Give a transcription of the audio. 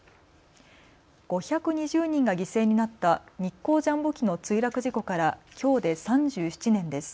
５２０人が犠牲になった日航ジャンボ機の墜落事故からきょうで３７年です。